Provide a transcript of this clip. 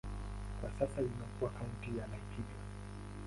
Kwa sasa imekuwa kaunti ya Laikipia.